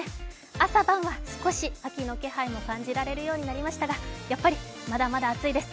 朝晩は少し秋の気配も感じられるようになりましたがやっぱり、まだまだ暑いです。